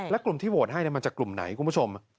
และกลุ่มที่โหวตให้มันจากกลุ่มไหนคุณผู้ชม